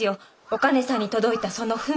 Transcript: お兼さんに届いたその文。